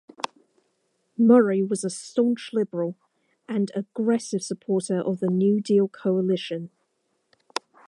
Murray was a staunch liberal and aggressive supporter of the New Deal Coalition.